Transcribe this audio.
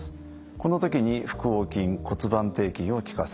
この時に腹横筋骨盤底筋をきかせます。